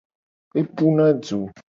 Epuna du.